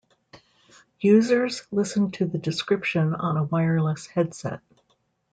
Users listen to the description on a wireless headset.